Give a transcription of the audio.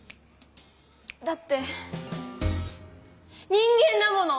だって人間だもの！